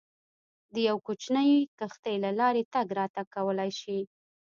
د یوې کوچنۍ کښتۍ له لارې تګ راتګ کولای شي.